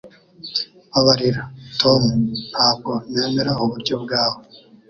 Mbabarira, Tom. Ntabwo nemera uburyo bwawe.